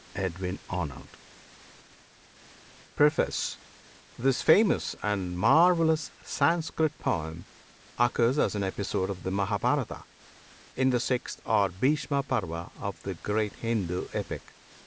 EDWIN ARNOLD PREFACE This famous and marvellous Sanskrit poem occurs as an episode of the Mahabharata, in the sixth or "Bhishma" Parva of the great Hindoo epic.